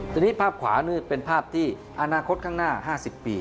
ทีนี้ภาพขวานี่เป็นภาพที่อนาคตข้างหน้า๕๐ปี